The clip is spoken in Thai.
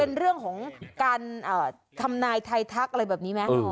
เป็นเรื่องของการทำนายไทยทักอะไรแบบนี้ไหม